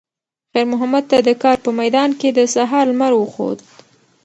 خیر محمد ته د کار په میدان کې د سهار لمر وخوت.